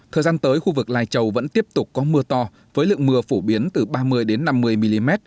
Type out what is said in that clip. thời gian tới khu vực lai châu vẫn tiếp tục có mưa to với lượng mưa phổ biến từ ba mươi năm mươi mm